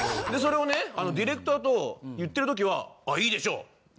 それをねディレクターと言ってる時は「あいいでしょう」